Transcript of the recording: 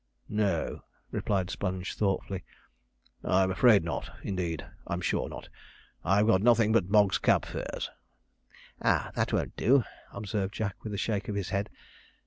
'No,' replied Sponge thoughtfully. 'I'm afraid not; indeed, I'm sure not. I've got nothin' but Mogg's Cab Fares.' 'Ah, that won't do,' observed Jack, with a shake of the head.